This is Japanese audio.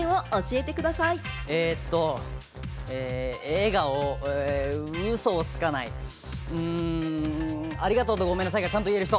笑顔、ウソをつかない、ありがとうとごめんなさいがちゃんと言える人！